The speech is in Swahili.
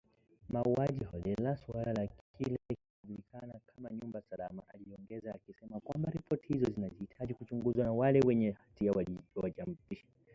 Mauaji holela, suala la kile kinachojulikana kama nyumba salama , aliongeza akisema kwamba ripoti hizo zinahitaji kuchunguzwa na wale wenye hatia wawajibishwe